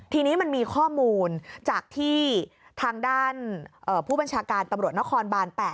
ทีนี้มันมีข้อมูลจากที่ทางด้านผู้บัญชาการตำรวจนครบาน๘